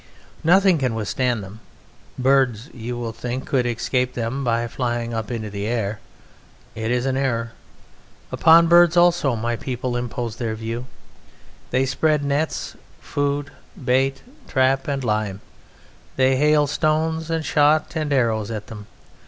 Nothing can withstand them. Birds you will think could escape them by flying up into the air. It is an error. Upon birds also my people impose their view. They spread nets, food, bait, trap, and lime. They hail stones and shot and arrows at them.